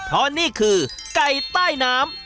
เพราะนี่คือไก่ใต้น้ำ